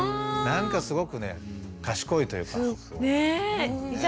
なんかすごくね賢いというか。ね二者